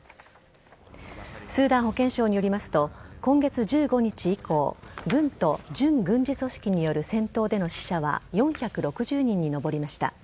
スーダン保健省によりますと今月１５日以降軍と準軍事組織による戦闘での死者は４６０人に上りました。